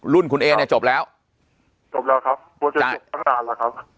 รุ่นคุณเอเนี่ยจบแล้วจบแล้วครับควรจะจบตั้งนานครับ